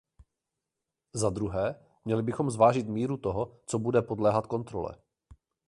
Zadruhé, měli bychom zvážit míru toho, co bude podléhat kontrole.